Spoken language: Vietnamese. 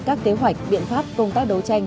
các kế hoạch biện pháp công tác đấu tranh